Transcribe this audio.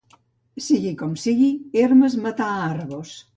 Sigui com sigui, Hermes matà Argos.